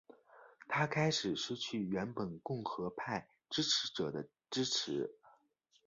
他开始失去原本共和派支持者的支持。